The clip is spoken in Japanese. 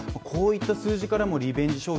こういった数字からもリベンジ